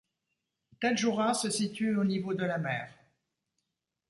Tadjourah se situe au niveau de la mer.